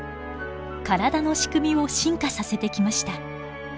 体の仕組みを進化させてきました。